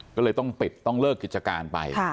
ก็เลยต้องปิดต้องเลิกกิจการไป